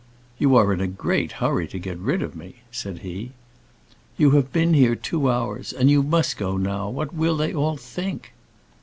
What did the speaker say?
"You are in a great hurry to get rid of me," said he. "You have been here two hours, and you must go now; what will they all think?"